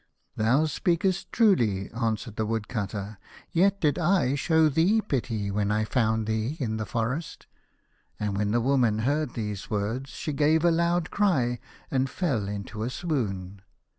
"Thou speakest truly," answered the Wood cutter, "yet did I show thee pity when I found thee in the forest." And when the woman heard these words she gave a loud cry, and fell into a swoon.